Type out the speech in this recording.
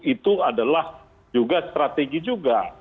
itu adalah juga strategi juga